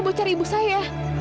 buat cari ibu saya